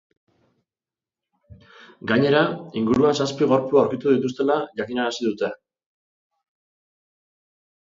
Gainera, inguruan zazpi gorpu aurkitu dituztela jakinarazi dute.